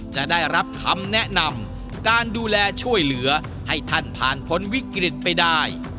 จะได้รับคำแนะนำการดูแลช่วยเหลือให้ท่านผ่านพ้นวิกฤตไปได้